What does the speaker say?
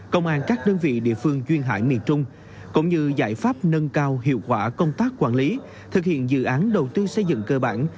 công an các đơn vị địa phương duyên hải miền trung cũng như giải pháp nâng cao hiệu quả công tác quản lý thực hiện dự án đầu tư xây dựng cơ bản